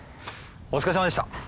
お疲れさまでした。